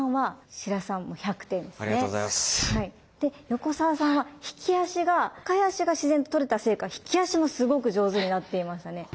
横澤さんは引き足が抱え足が自然ととれたせいか引き足もすごく上手になっていましたね。